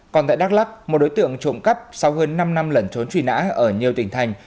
còn tại đắk lắc một đối tượng trộm cắp sau hơn năm năm lẩn trốn truy nã ở nhiều tỉnh thành